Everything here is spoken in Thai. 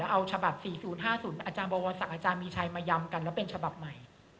แล้วเอาฉบับ๔๐๕๐อบศมีชัยมายำกันแล้วเป็นฉบับใหม่